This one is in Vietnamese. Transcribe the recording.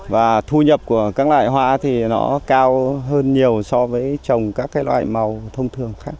và thu nhập của các loại hoa thì nó cao hơn nhiều so với trồng các loại màu thông thường khác